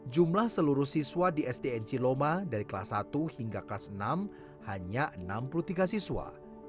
jumlah seluruh siswa di sdn ciloma dari kelas satu hingga kelas enam hanya enam puluh tiga siswa